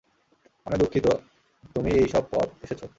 আমি দুঃখিত তুমি এই সব পথ এসেছ।